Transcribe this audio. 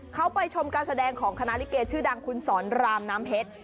เขาไปชมการแสดงของคณะลิเกชื่อดังคุณสอนรามน้ำเพชร